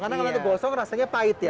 karena kalau itu gosong rasanya pahit ya